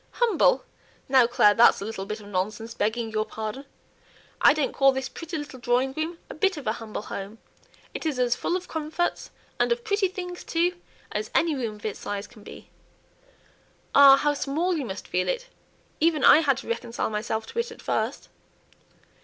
"Humble! now, Clare, that's a little bit of nonsense, begging your pardon. I don't call this pretty little drawing room a bit of a 'humble home.' It's as full of comforts, and of pretty things too, as any room of its size can be." "Ah! how small you must feel it! even I had to reconcile myself to it at first."